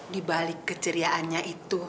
di balik keceriaannya itu